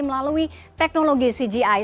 melalui teknologi cgi